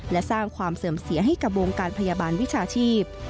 และสร้างความเสื่อมเสียให้กับวงการพยาบาลวิชาชีพ